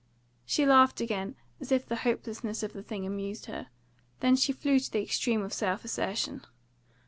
She laughed again, as if the hopelessness of the thing amused her. Then she flew to the extreme of self assertion.